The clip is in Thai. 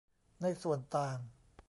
ในส่วนต่าง